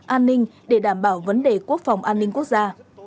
an ninh để đảm bảo vấn đề quốc phòng an ninh quốc gia